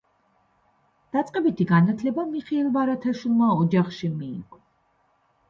დაწყებითი განათლება მიხეილ ბარათაშვილმა ოჯახში მიიღო.